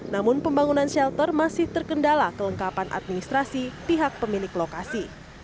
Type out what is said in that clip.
namun pembangunan shelter masih terkendala kelengkapan administrasi pihak pemilik lokasi